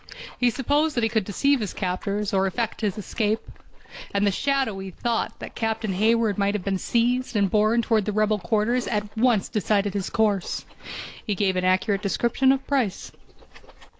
He supposed that he could deceive his captors, or effect his escape. And the shadowy thought that Captain Hayward might have been seized and borne toward the rebel quarters at once decided his course. He gave an accurate description of Price.